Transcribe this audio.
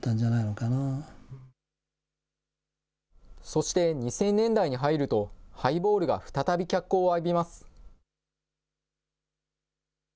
そして２０００年代に入ると、ハイボールが再び脚光を浴びます。